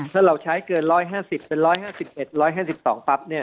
ถ้าเราใช้เกิน๑๕๐เป็น๑๕๑๕๒ปั๊บเนี่ย